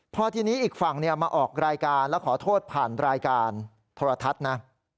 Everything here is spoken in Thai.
พอทีนี้อีกฝั่งมาออกรายการและขอโทษผ่านรายการโทรทัศน์นะ